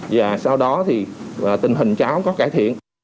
và sau đó thì tình hình cháu có cải thiện